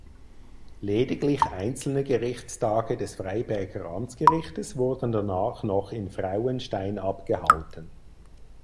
Lediglich einzelne Gerichtstage des Freiberger Amtsgerichtes wurden danach noch in Frauenstein abgehalten.